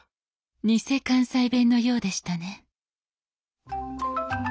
ニセ関西弁のようでしたね。